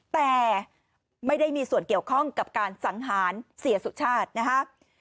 แต่ไม่ได้มีส่วนเกี่ยวข้องกับการสังหารเสียสุชาตินะฮะ